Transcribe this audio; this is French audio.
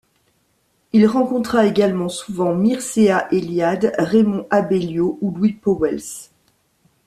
Il rencontra également souvent Mircea Eliade, Raymond Abellio ou Louis Pauwels.